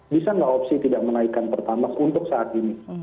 bisa nggak opsi tidak menaikkan pertamax untuk saat ini